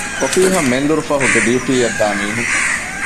އޮފީހަށް މެންދުރުފަހުގެ ޑިޔުޓީއަށް ދާމީހުން